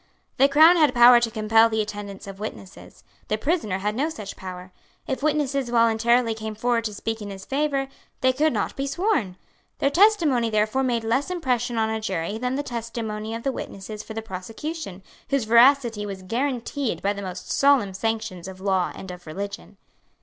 The Crown had power to compel the attendance of witnesses. The prisoner had no such power. If witnesses voluntarily came forward to speak in his favour, they could not be sworn. Their testimony therefore made less impression on a jury than the testimony of the witnesses for the prosecution, whose veracity was guaranteed by the most solemn sanctions of law and of religion.